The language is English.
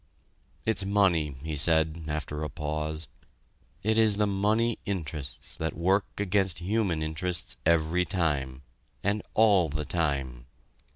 "It's money," he said, after a pause. "It is the money interests that work against human interests every time, and all the time.